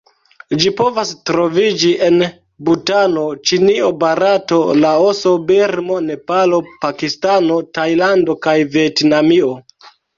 Ĝi povas troviĝi en Butano, Ĉinio, Barato, Laoso, Birmo, Nepalo, Pakistano, Tajlando kaj Vjetnamio.